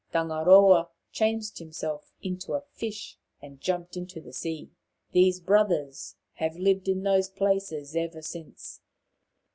Tangaroa changed himself into a fish and jumped into the sea. These brothers have lived in those places ever since.